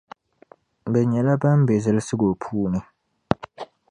Bɛ nyεla ban be zilsigu puuni.